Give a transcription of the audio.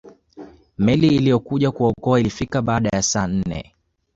Meli iliyokuja kuwaokoa ilifika baada ya saa nne